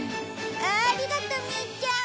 ありがとうミィちゃん。